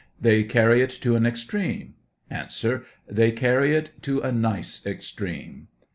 They carry it to an extreme ? A. They carry it to a nice extreme.